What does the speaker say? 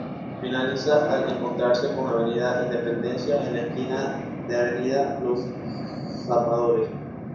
Finaliza al encontrarse con Avenida Independencia en la esquina de Avenida Los Zapadores.